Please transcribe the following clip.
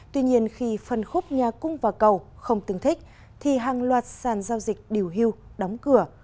tuy nhiên khi phân khúc nhà cung và cầu không tương thích thì hàng loạt sàn giao dịch điều hưu đóng cửa